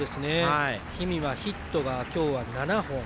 氷見はヒットは今日７本。